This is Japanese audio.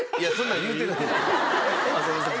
浅野さん